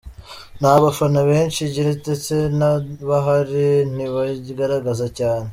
Nta bafana benshi igira ndetse n’abahari ntibigaragaza cyane.